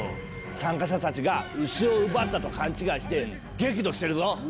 参加者たちが牛を奪ったと勘違いして激怒してるぞ。